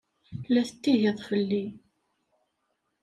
La tettihiḍ fell-i?